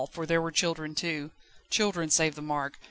for there were the children too. Children save the mark!